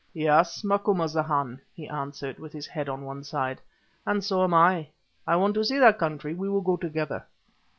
"Yes, Macumazahn," he answered, with his head on one side; "and so am I—I want to see that country. We will go together."